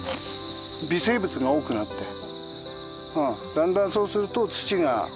だんだんそうすると土が。